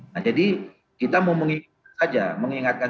nah jadi kita mau mengingatkan